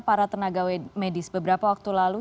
para tenaga medis beberapa waktu lalu